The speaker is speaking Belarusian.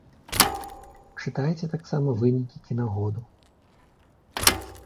Чытайце таксама вынікі кінагоду.